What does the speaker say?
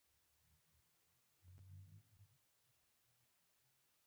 قاتل د قاتل زوی نه بخښل کېږي